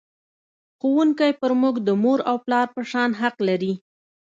ښوونکی پر موږ د مور او پلار په شان حق لري.